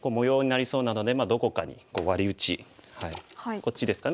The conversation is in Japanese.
こっちですかね。